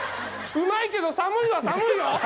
うまいけど寒いは寒いよ！